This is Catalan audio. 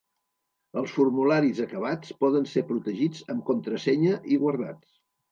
Els formularis acabats poden ser protegits amb contrasenya i guardats.